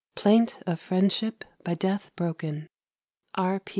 III. PLAINT OF FRIENDSHIP BY DEATH BROKEN (R.